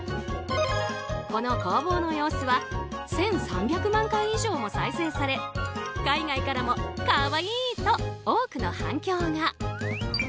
この攻防の様子は１３００万回以上も再生され海外からも可愛い！と多くの反響が。